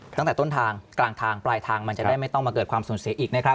ตั้งแต่ต้นทางกลางทางปลายทางมันจะได้ไม่ต้องมาเกิดความสูญเสียอีกนะครับ